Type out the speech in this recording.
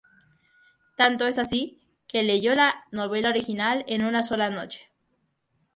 Tanto es así, que leyó la novela original en una sola noche.